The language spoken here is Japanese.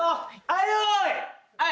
はい。